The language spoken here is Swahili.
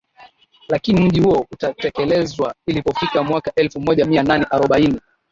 lakini mji huo ukatelekezwa ilipofika mwaka elfu moja mia nane arobaini